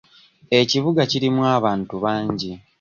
Ekibuga kirimu abantu bangi.